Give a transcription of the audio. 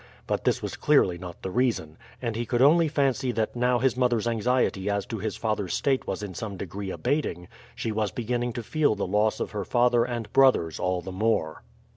But this was clearly not the reason, and he could only fancy that now his mother's anxiety as to his father's state was in some degree abating, she was beginning to feel the loss of her father and brothers all the more.